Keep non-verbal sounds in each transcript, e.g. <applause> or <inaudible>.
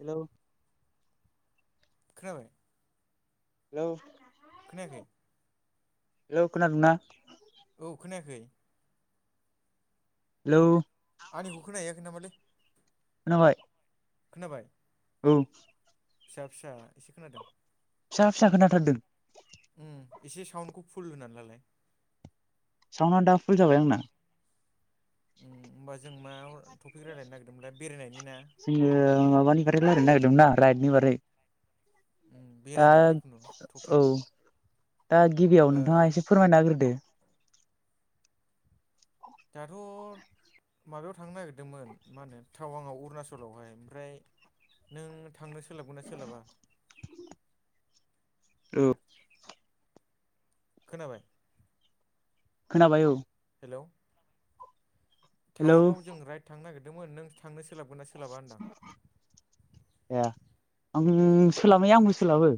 हेल' खोनाबाय हेलौ खोनायाखै हेलौ खोनादोंना औ खोनायाखै हेलौ आंनिखो खोनाहैयाखै नामालै खोनाबाय खोनाबाय औ फिसा फिसा एसे खोनादों फिसा फिसा खोनाथारदों एसे साउन्डखौ फुल होनानै लालाय साउनआ दा फुल जाबाय आंना होम होमबा जों मा टपिक रायज्लायनो नागिरदोंमोनलाय बेरायनायनि ना जोङो माबानि बारै रायलायनो नागिरदोंना राइडनि बारै उम दा बेरायनाय जिखुनु औ टपिक दा गिबियाव ओ नोंथाङा एसे फोरमायना होग्रोदो दाथ' माबायाव थांनो नागिरदोंमोन मा होनो टाउनाव अरुनाचलावहाय ओमफ्राय नों थांनो सोलाबगोनना सोलाबा औ खोनाबाय खोनाबाय औ हेलौ हेलौ टावांआव जों राइट थांनो नागिरदोंमोन नों थांनो सोलाबगोनना सोलाबा होनदो आं ए आं सोलाबनाया आंबो सोलाबो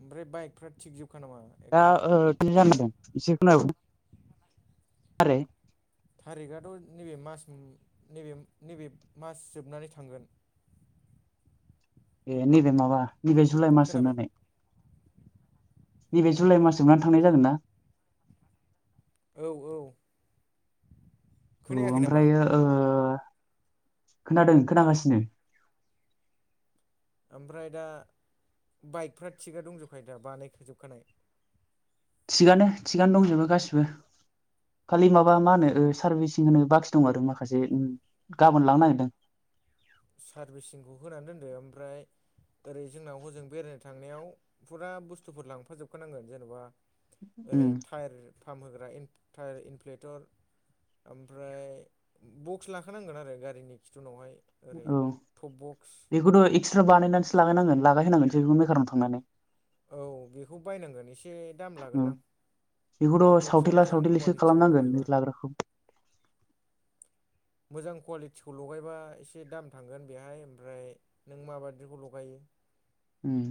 ओमफ्राय बाइकफ्रा थिग जोबखा नामा एकदम <unintelligible> एसे खोनाय आरोे थारिकआथ' नैबे मास नबे नैबे मास जोबनानै थांगोन ए नैबे माबा नैबे जुलाइ मास खोनाबाय जोबनानै नैबे उम जुलाइ मास जोबनानै थांनाय जागोनना औ औ औ खोनायाखै नामा ओमफ्रायो ओ खोनादों खोनागासिनो ओमफ्राय दा बाइकफ्रा थिगानो दंजोबखायो दा बानायखाजोबखानाय थिगानो थिगानो दंजोबो गासिबो खालि माबा मा होनो सारभिसिं होनो बाखि दं आरो माखासे गाबोन लांनो नागिरदों सार्भिसिंखौ होनानै दोनदो ओमफ्राय ओरै जोंनाव हजों बेरायनो थांनायाव फुरा बुस्थुफोर लांफाजोबखानांगोन जेनबा ओरै उम टायेर फाम्प होग्रा इन टायार इनफ्लेटर ओमफ्राय बक्स लाखानांगोन आरो गारिनि खिथु उनावहाय औ बेखौथ' एक्सट्रा बानायनानैसो लागायनांगोन लागाय हैनांगोनसो बेखौ मेकारनाव थांनानै औ बेखौ बायनांगोन एसे दाम औ लागोनदां बे बेखौथ' बक्सआ सावथेला मोजां सावथेलिसो कुवालिटिखौ खालामनांगोन बे लगायबा लाग्राखौ मोजां कुवालिटिखौ लगायबा एसे दाम थांगोन बेहाय ओमफ्राय नों माबायदिखौ लगायो उम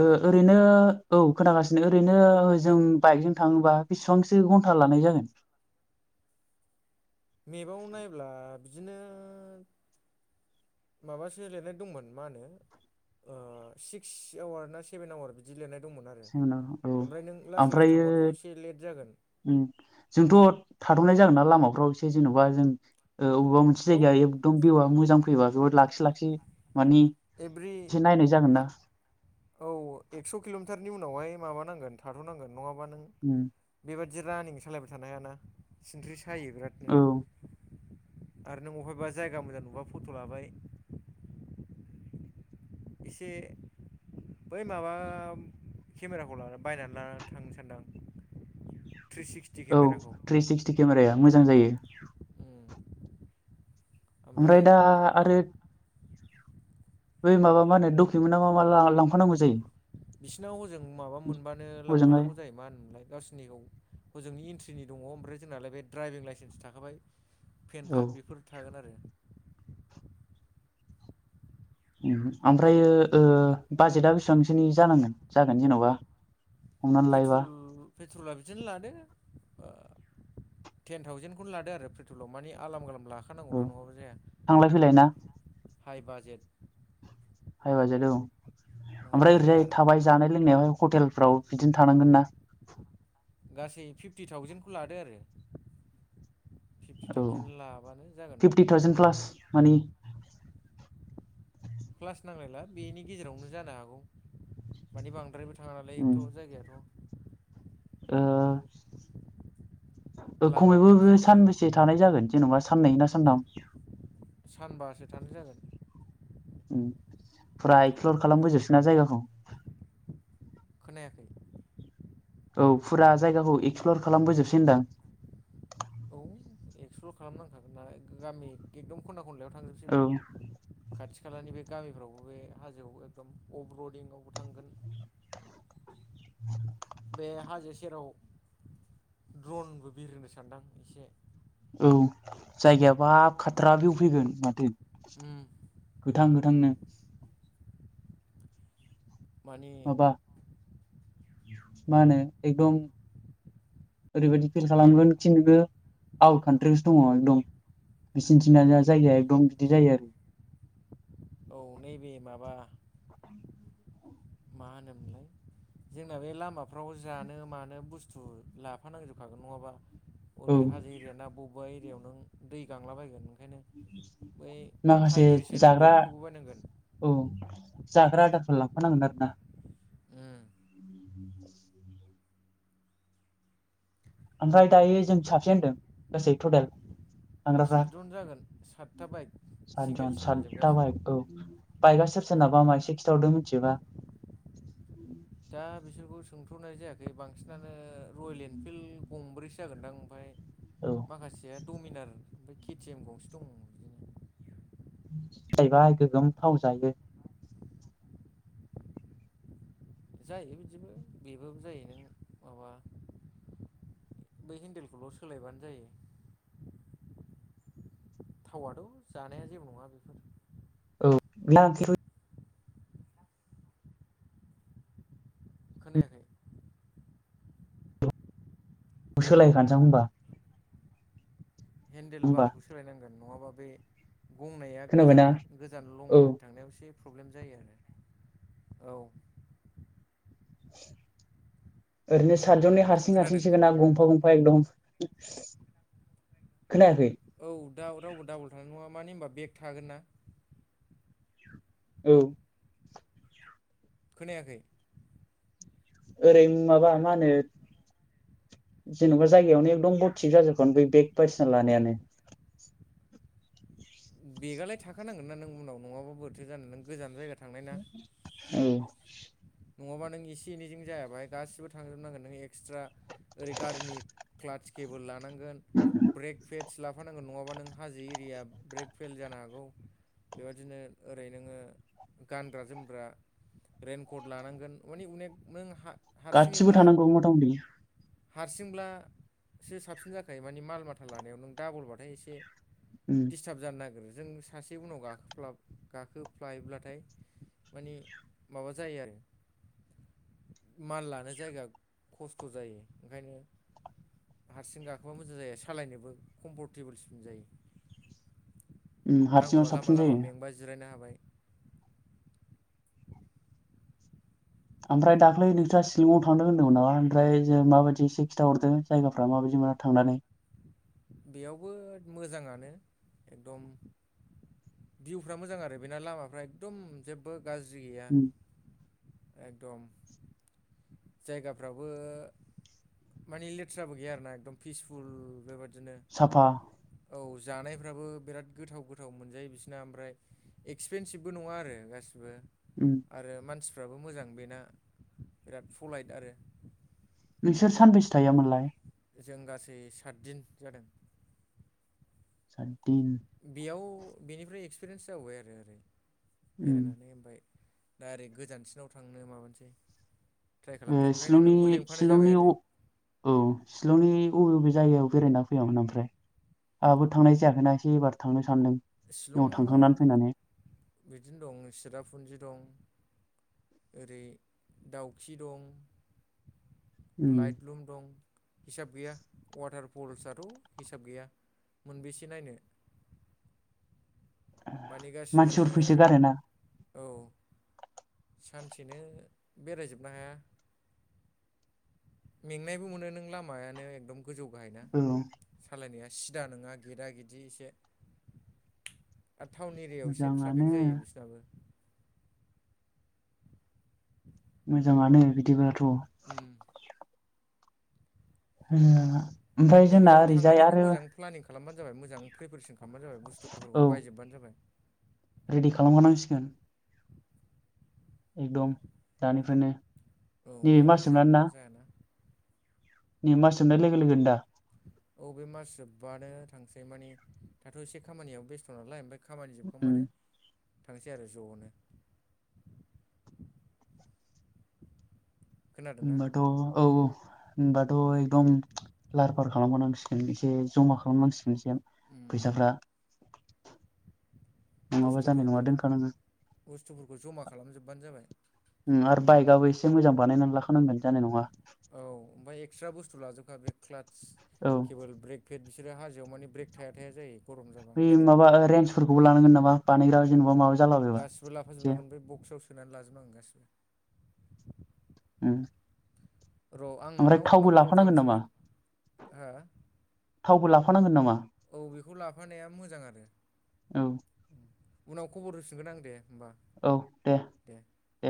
ओ ओ ओरैनो औ खोनागासिनो ओरैनो जों बाइकजों थांङोबा बेसिबांसो घन्टा लानाय जागोन। मेपाव नायब्ला बिदिनो माबासो लिरनाय दंमोन मा होनो ओ सिक्स आवार ना सेभेन आवार बिदि लिरनाय दंमोन आरो ए जोंनाव औ ओमफ्राय नों लासै लासै ओमफ्रायो थांबाथ' एसे लेट जागोन जोंथ' थादनाय जागोन ना लामाफ्राव एसे जेन'बा जों अबेबा मोन मोनसे औ जायगायाव एकदम बिउआ मोजां फैबाथ' लाख सोलाखि <unintelligible> मानि एभ्रि एसे नायनाय जागोन दां औ एक्स' किल'मिटारनि उनावहाय माबानांगोन थाथ'नांगोन नङाबा नों उम बेबादि रानिं सालायबाय थानो हायाना सिनख्रि सायो बिरादनो औ आरो नों अहायबा जायगा मोजां नुबा फट' लाबाय एसे बै माबा केमेराखौ लानानै बायनानै लानानै थांनो सानदों आं थ्रि सिक्स औ थ्रि सिक्सटि केमेराया मोजां जायो उम ओमफ्राय दा आरो बे माबा मा होनो डकुमेन्टआ मा मा लांफानांगौ जायो। बिसिनाव हजों माबा मोनबानो हजोंहाय लांफानांगौ जायो मा होनोमोनलाय गावसोरनिखौ हजोंनि इन्ट्रिनि दंङो ओमफ्राय जोंनालाय बे ड्राइभिं लाइसेन्स थाखाबाय पेन औ कार्ड बेफोर थागोन आरो ओमफ्रायो ओ बाजेटआ बेसेबांसोनि जानांगोन जागोन जेनबा हमनानै लायोबा पेट्रल पेट्रला बिदिनो लादो ओ टेन थावजेनडखौनो लादो आरो पेट्रलाव माने आलाम आलाम ला खानांगौना औ नंङाबा जाया थांलाय फैलाय ना हाइ बाजेट हाइ बाजेत औ नङाबा ओमफ्राय जाया ओरैहाय आरो थाबाय जानाय लोंनायावहाय हटेलफ्राव बिदिनो थानांगोन ना गासै फिफ्टि थावजेेनखौ लादो आरो फिफ्टि औ थावजेन लाबानो जागोन फिफ्टि थावजेन प्लास कमप्लिट माने क्लास नांलायला बेनि गेजेरावनो जानो हागौ माने बांद्रायबो थाङांलै उम, एथ' जायगायाथ' ओ खमैबो लामाफ्रावसो बे एसे सानबै से थानाय जागोन जेनेबा साननै ना सानथाम? सानबासो थानाय जागोन। फुरा एक्सप्लर खालामबोजोबसैना जायगाखौ। खोनायाखै? औ फुरा जायगाखौ एक्सप्लर खालामबोजोबसै होनदां। औ एक्सप्लर खालामनांखागोन नालाय गामि एकदम खनना खनलायाव थांजोबनोसै औ ब्रा। खाथि खालानि बे गामिफ्रावबो बे हाजोआव एकदम अभार आवबो थांगोन। <inaudible> बे हाजो सेराव द्रनबो बिरहोनो सानदां एसे। औ जायगायाबा खाथ्रा भिउ फैगोन माथो। ओम गोथां गोथांनो। माने माबा मा होनो एकदम ओरैबायदि फिल खालामगोन खि नोङो आउट कान्ट्रिआवसो दङ एकदम। बिसिनि थिं जायगाया एकदम बिदि जायो आरो। औ नैबे माबा मा होनोमलाय जोंना बे लामाफ्राव जानो मानो बुस्थु लाफानांजोबखागोन नङाबा ओरै औ हाजो एरियाना बबेबा एरियायाव नो दै गांला बायगोन बे ओंखायनो बै माखासे हाइद्रेसन जाग्रा बेगखौबो बायनांगोन औ जाग्रा आदारफोर लांफानांगोन आरोना। उम <inaudible> ओमफ्राय दायो जों साबसे होनदों गासै टटेल? थांग्रा फोरा सातजन जागोन सातथा बाइक सिंगेल सातजन सिंगेल जोब सतदा गासिबो औ बाइकआ सोर उम सोरना‌ बा एसे खिनथाहरदो मिथियोबा? दा बिसोरखौ सोंथ'नाय जायाखै बांसिनानो रयेल एनफिल्ड गंब्रैसो जागोनदां ओमफ्राय। औ माखासेया दडमिनार ओमफ्राय केटि एम गंसे दं। बिदिनो बायगा गोगोम थाव जायो। जायोलै बिदिबो बेबाबो जायो नों माबा बै हेन्देलखौल' सोलायबानो जायो। थावाथ' जानाया जेबो नङा बेफोर। औ <unintelligible> खोनायाखै? सोलायखानोसां होनबा। हेन्देल होमबा बारखौ सोलायनांगोन नङाबा बे गंनाया खोनाबायना गोजान गोजान लं औ राइड थांनायाव एसे प्रब्लेम जायो आरो औ। ओरैनो सतजननि हारसिं खोनादों हारसिं ना गंफा गंफा बाइक दं खोनायाखै? औ दा रावबो डाबुल थानाय नङा मानो होनबा बेग थागोन ना? औ खोनायाखै? ओरै माबा मा होनो जेनेबा जायगायावनो एकदम थिक जाजोबगानो बै बेग बायदिसिना लानायानो। बेगालाय थाखानांगोन ना नों उनाव नङाबा बोरै थो जानो नों गोजान जायगा थांनाय ना। औ नङाबा नों एसे एनैजों जाया बाहाय गासिबो थांजोबनांगोन नों ए क्सट्रा ओरै गारिनि क्लाच केेबोल लानांगोन ब्रेक फेल मानसि लाफानांगोन नङाबा नों हाजो एरिया ब्रेक फेल जानो हागौ बेबादिनो ओरै नोङो गानग्रा जोमग्रा रेइनकट लानांगोन माने अनेक नों हा गासिबो हारसिङैब्ला थानांगौ मथा मथि हारसिंब्लासो साबसिन जाखायो माने माल माथा लानायाव नों डाबलबाथाय एसे उम डिसथाब जानो नागिरो जों सासे उनाव गाखो गाखोफ्लायोब्लाथाय माने माबा जायो आरो मान लानो जायगा खस्थ' जायो ओंखायनो हारसिं गाखोबा मोजां जायो सालायनोबो कम्फर्टेबोलसिन जायो। उम हारसिङाव नांगौबा लामा साबसिन लामा जायो मेंबा जिरायनो हाबाय। ओमफ्राय दाख्लै नोंथाङा शिलिङाव थांदों होनदोंमोन नामा ओमफ्राय जो माबायदि एसे खिथाहरदो जायगाफ्रा माबायदि मायाव थांनानै बेयावबो मोजाङानो एकदम भिउफ्रा मोजां आरो बेना लामाफ्रा एकदम जेबो गाज्रि गैया। उम एकदम जायगाफ्राबो माने लेथ्राबो गैया आरोना एकदम पिसफुल बेबादिनो साफा औ जानायफ्राबो बिराद गोथाव गोथाव मोनजायो बिसिना ओमफ्राय एक्सपेनसिभबो नङा आरो गासिबो उम आरो मानसिफ्राबो मोजां बेना फलाइट आरो नोंसोर सानबैसो थायैयामोनलाय? जों गासै सातदिन जादों। सातदिन बेयाव बेनिफ्राय एक्सपिरियेन्स जाबोबाय आरो ओरै उम बेरायनानै ओमफाय दा ओरै गोजानसिनाव थांनो माबानोसै ट्राइ खालामदों उम ओंखायनो शिलंनि नोंखौ लेंफानाय जाबाय शिलंनि अ आरो औ शिलंनि बबे बबे जायगायाव बेरायना फैयामोन ओमफ्राय? आंहाबो थांनाय जायाखैना एसे एबार थांनो सानदों उनाव शिलंआव थांखांनानै फैनानै बिदिनो दं चिरापुन्जि दं। ओरै दाउखि दं उम लाइटलुम दं हिसाब गैया उवाटार फल्सआथ' हिसाब गैया मोनबेसे नायनो माने गासिबो मानसिफोर नोङो फैसो गारोना औ सानसेनो बेरायजोबनो हाया। मेंनायबो मोनो नों लामायानो एकदम गोजौ गाहायना। औ सालायनाया सिदा नोङा गेदा गेदि एसे आरो टाउन एरियायाव एसे ट्राफिक मोजाङानो जायो बिसोरनाबो। मोजाङानो बिदिब्लाथ' उम ओ ओमफ्राय जोंना नैबेयाव ओरैजाय थांनायनिखौ आरो मोजां प्लानिं खालामबानो जाबाय मोजां प्रिपेरेसन खालामबानो जाबाय बुस्थुफोरखौ औ बायजोबबानो जाबाय। रेडि खालामखानांसिगोन। <inaudible> एकदम दानिफ्रायनो औ नैबे नङाबा मास जानो जायाना नै मास जोबनाय लोगो लोगोनो दा? औ बेे मास जोबबानो थांसै माने दाथ' एसे खामानियाव बेस्थ' नालाय ओमफाय खामानि उम जोबखांबानो थांसै आरो जनो खोनादोंना? ओमबाथ' औ औ होनबाथ' एकदम लाहार फाहार खालामनांसिगोन एसे जमा खालामनांसिगोन से फैसाफ्रा नङाबा जानाय नङा बुस्थुफोरखौ दोनखानांगोन बुस्थुफोरखौ जमा खालामजोबबानो जाबाय उम आरो बाइकआबो एसे मोजां बानायनानै लाखानांगोन जानाय नंङा औ ओमफ्राय एक्सट्रा बुस्थु लाजोबखा बे क्लाथ्स औ केेबोल ब्रेक पेद बिसोरो हाजोआव माने ब्रेक थाया थाया जायो। गरम जाबा बै ओंखायनो माबा ओ रेन्सफोरखौबो लानांगोन नामा बानायग्रा जेनबा माबा जे गासिबो लाफाजोबनांगोन बे बक्सआव सोनानै लाजोबनांगोन गासिबो उम र' आं ओमफ्राय नोंनाव थावबो उनाव कल लाफानांगोन नामा खालामफिनगोन हा थावबो लाफानांगोन नामा औ बेखौ लाफानाया मोजां आरो औ उनाव खबर होफिनगोन आं दे होमबा औ दे दे